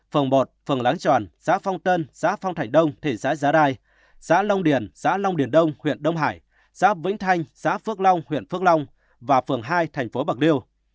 phường một phường láng tròn xã phong tân xã phong thành đông thị xã giá rai xã long điền xã long điền đông huyện đông hải giáp vĩnh thanh xã phước long huyện phước long và phường hai thành phố bạc liêu